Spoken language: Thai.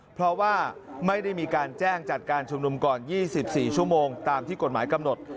เพราะว่าไม่ได้มีการแจ้งจัดการชุมนุมก่อน๒๔ชั่วโมงตามที่กฎหมายกำหนด